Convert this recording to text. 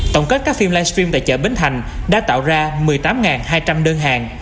tổng kết các phim livestream tại chợ bến thành đã tạo ra một mươi tám hai trăm linh đơn hàng